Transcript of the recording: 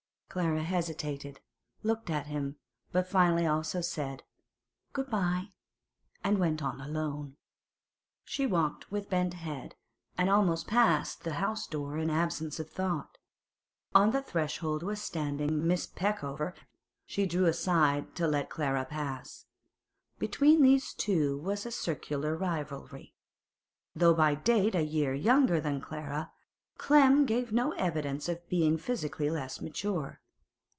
Clara hesitated, looked at him, but finally also said 'Good bye,' and went on alone. She walked with bent head, and almost passed the house door in absence of thought. On the threshold was standing Miss Peckover; she drew aside to let Clara pass. Between these two was a singular rivalry. Though by date a year younger than Clara, Clem gave no evidence of being physically less mature.